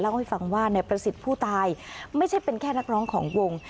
เล่าให้ฟังว่านายประสิทธิ์ผู้ตายไม่ใช่เป็นแค่นักร้องของวง